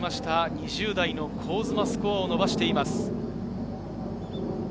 ２０代の香妻、スコアを伸ばしています。